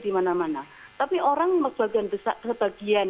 dimana mana tapi orang sebagian